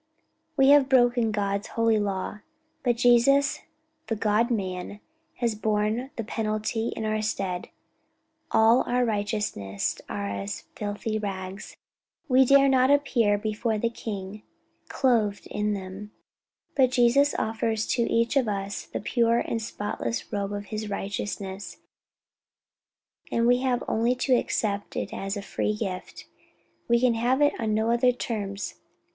We have broken God's holy law, but Jesus, the God man, has borne the penalty in our stead; 'all our righteousnesses are as filthy rags'; we dare not appear before the King clothed in them; but Jesus offers to each of us the pure and spotless robe of his righteousness, and we have only to accept it as a free gift; we can have it on no other terms.